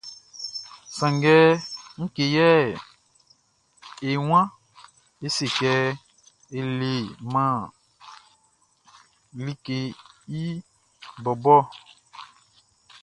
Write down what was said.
Sanngɛ ngue yɛ e waan é sé kɛ e leman like fi bɔbɔ ɔ?